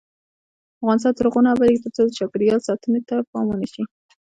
افغانستان تر هغو نه ابادیږي، ترڅو د چاپیریال ساتنې ته پام ونشي.